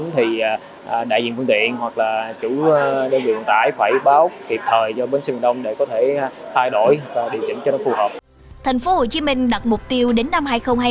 thành phố hồ chí minh đặt mục tiêu đến năm hai nghìn hai mươi